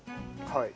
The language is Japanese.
はい。